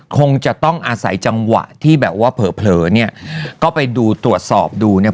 คงจะต้องอาศัยจังหวะที่แบบว่าเผลอเนี่ยก็ไปดูตรวจสอบดูเนี่ย